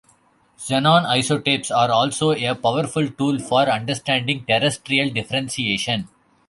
Xenon isotopes are also a powerful tool for understanding terrestrial differentiation.